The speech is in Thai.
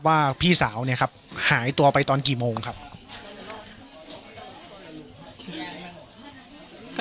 ปกติพี่สาวเราเนี่ยครับเป็นคนเชี่ยวชาญในเส้นทางป่าทางนี้อยู่แล้วหรือเปล่าครับ